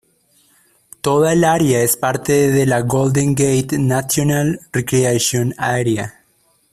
Toda el área es parte de la Golden Gate National Recreation Area.